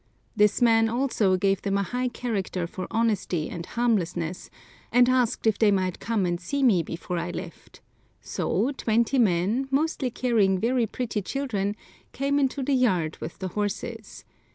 This man also gave them a high character for honesty and harmlessness, and asked if they might come and see me before I left; so twenty men, mostly carrying very pretty children, came into the yard with the horses.